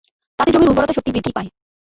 তাতে জমির উর্বরতা শক্তি বৃদ্ধি পায়।